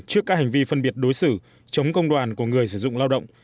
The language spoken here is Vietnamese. trước các hành vi phân biệt đối xử chống công đoàn của người sử dụng lao động